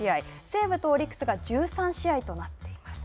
西武とオリックスが１３試合となっています。